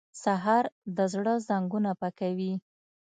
سهار د زړه زنګونه پاکوي.